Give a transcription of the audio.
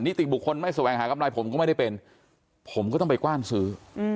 ติบุคคลไม่แสวงหากำไรผมก็ไม่ได้เป็นผมก็ต้องไปกว้านซื้อ